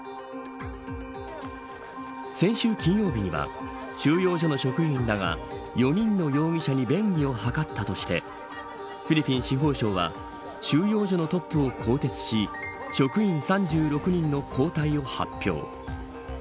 先週金曜日には収容所の職員らが４人の容疑者に便宜を図ったとしてフィリピン司法省は収容所のトップを更迭し職員３６人の交代を発表。